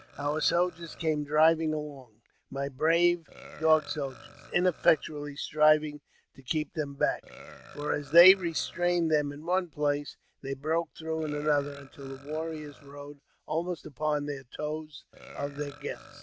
Our soldiers came driving along, my brave Dog Soldiers ineffectually striving to keep them back; for, as they restrained them in one place, they broke through in another, until the warriors rode almost upon 1 the toes of their guests.